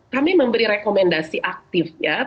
kami memberi rekomendasi aktif ya